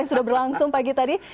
yang sudah berlangsung pagi tadi